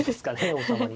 王様に。